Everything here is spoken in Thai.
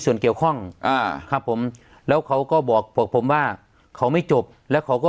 ส่วนเกี่ยวข้องอ่าครับผมแล้วเขาก็บอกบอกผมว่าเขาไม่จบแล้วเขาก็